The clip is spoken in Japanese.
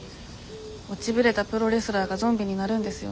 落ちぶれたプロレスラーがゾンビになるんですよね？